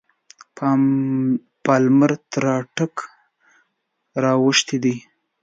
پالمر تر اټک را اوښتی دی.